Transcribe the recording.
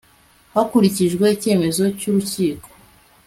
hakurikijwe icyemezo cy'urukiko